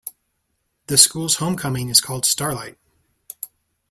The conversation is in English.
The school's Homecoming is called Starlight.